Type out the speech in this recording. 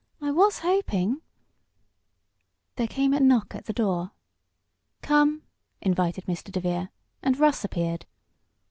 "I was hoping " There came a knock at the door. "Come!" invited Mr. DeVere, and Russ appeared.